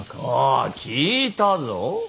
ああ聞いたぞ。